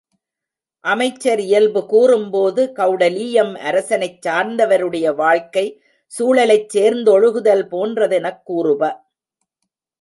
அமைச்சர் இயல்பு கூறும்போது கெளடலீயம் அரசனைச் சார்ந்தவருடைய வாழ்க்கை சூழலைச் சேர்ந்தொழுகுதல் போன்றதெனக் கூறுப.